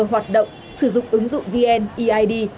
hoạt động sử dụng ứng dụng vneid